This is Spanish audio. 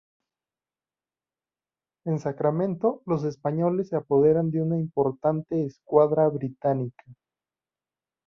En Sacramento los españoles se apoderan de una importante escuadra británica.